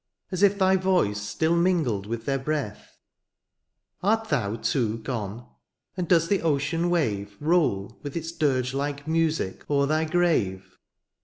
As if thy voice still mingled with their breath ; Art thou, too, gone ? and does the ocean wave Roll with its dirge like music o^er thy grave